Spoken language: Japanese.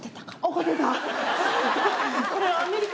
怒ってた？